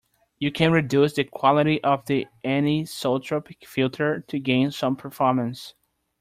You can reduce the quality of the anisotropic filter to gain some performance.